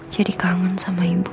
jadi kangen sama ibu